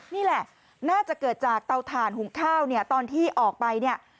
นี่แหละน่าจะเกิดจากเตาถ่านหุงข้าวเนี่ยตอนที่ออกไปเนี่ย